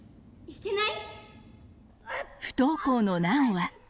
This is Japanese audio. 不登校の奈緒は。